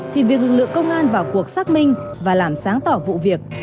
thì việc lựa công an vào cuộc xác minh và làm sáng tỏ vụ việc